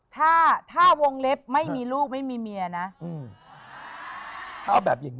หนึ่งวันนี้วันนี้ไม่ได้จัดแขกให้คุณ